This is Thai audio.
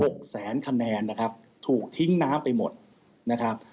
แสนคะแนนนะครับถูกทิ้งน้ำไปหมดนะครับ